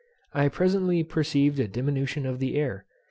I presently perceived a diminution of the air.